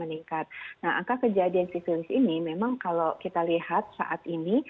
nah angka kejadian sivilis ini memang kalau kita lihat saat ini